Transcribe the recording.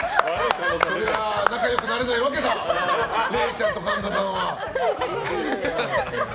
これは仲良くなれないわけだわれいちゃんと神田さんは。